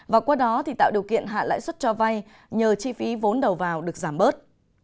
và qua đó tạo điều kiện hạ lãi suất cho vay nhờ chi phí vốn đầu vào được giảm bớt